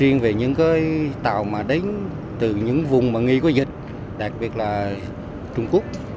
riêng về những cái tàu mà đến từ những vùng mà nghi có dịch đặc biệt là trung quốc